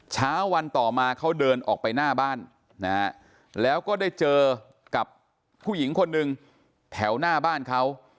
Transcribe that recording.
เช้าวันต่อมาเขาเดินออกไปหน้าบ้านนะฮะแล้วก็ได้เจอกับผู้หญิงคนหนึ่งแถวหน้าบ้านเขา